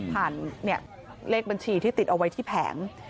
ผ่านเนี่ยเลขบัญชีที่ติดเอาไว้ที่แผง